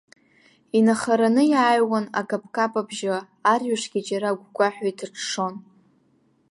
Инахараны иааҩуан акаԥкаԥ абжьы, арҩашгьы џьара агәгәаҳәа иҭаҽҽон.